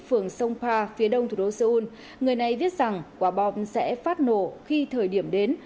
phường sông pa phía đông thủ đô seoul người này viết rằng quả bom sẽ phát nổ khi thời điểm đến